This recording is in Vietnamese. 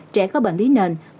trẻ có bệnh lý nền